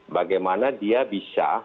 bagaimana dia bisa